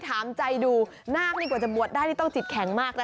ถามใจดูนาคนี้กว่าจะมัดได้คุณมากจิตแข็งนะคะ